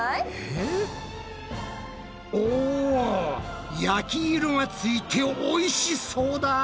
お焼き色がついておいしそうだ！